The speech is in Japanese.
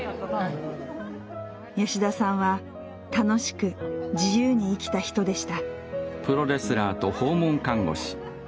吉田さんは楽しく自由に生きた人でした。